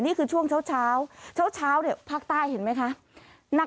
นี่คือช่วงเช้าเช้าภาคใต้เห็นไหมคะ